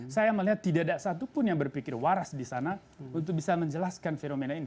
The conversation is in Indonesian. saya melihat tidak ada satupun yang berpikir waras di sana untuk bisa menjelaskan fenomena ini